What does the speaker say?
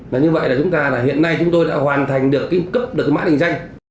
như vậy là chúng ta hiện nay chúng tôi đã hoàn thành được cái cấp được cái mã định danh